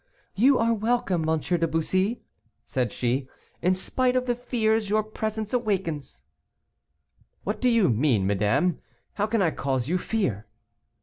"You are welcome, M. de Bussy," said she, "in spite of the fears your presence awakens." "What do you mean, madame? how can I cause you fear?"